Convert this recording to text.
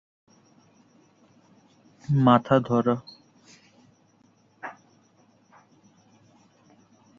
এটি পঞ্চম বৃহত্তম উইকিপিডিয়া- ইংরেজি উইকিপিডিয়া, ওলন্দাজ Wikipedia, German Wikipedia, Swedish Wikipedia পরে এর অবস্থান।